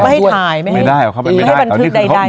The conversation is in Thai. ไม่ให้ออกผลังช่วย